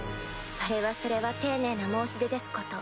それはそれは丁寧な申し出ですこと。